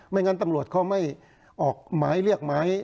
งั้นตำรวจเขาไม่ออกหมายเรียกหมาย